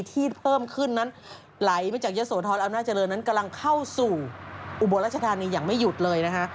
ที่เพิ่มขึ้นนั้นไหลมาจากเยอะโสธรอำนาจเจริญนั้นกำลังเข้าสู่อุบลรัชธานีอย่างไม่หยุดเลยนะคะ